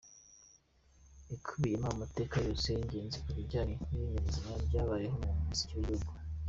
Ikubiyemo amateka yose y’ingenzi ku bijyanye n’ibinyabuzima byabayeho byo muri iki gihugu.